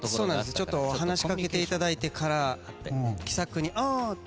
ちょっと話しかけていただいてから気さくにああ！って